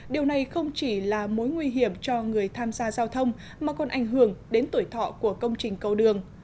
điều này không chỉ là mối nguy hiểm cho người tham gia giao thông mà còn ảnh hưởng đến tuổi thọ của công trình cầu đường